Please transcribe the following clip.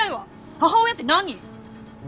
母親って何？